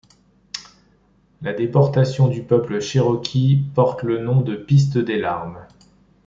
La déportation du peuple cherokee porte le nom de Piste des Larmes.